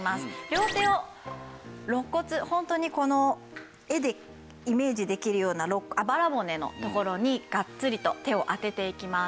両手をろっ骨ホントにこの絵でイメージできるようなあばら骨のところにがっつりと手を当てていきます。